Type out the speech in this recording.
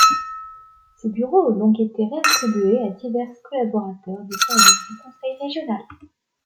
Ces bureaux ont donc été réattribués à divers collaborateurs des services du Conseil régional.